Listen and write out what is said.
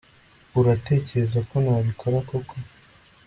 uratekereza ko nabikora koko